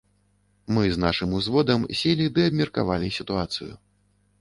Мы з нашым узводам селі ды абмеркавалі сітуацыю.